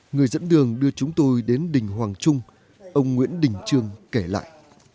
người dẫn đường đưa chúng tôi đến đình hoàng trung ông nguyễn đình trương kể lại